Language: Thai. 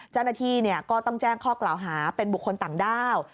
เจ้าหน้าที่ก็ต้องแจ้งข้อกล่าวหาเป็นบุคคลต่างด้าว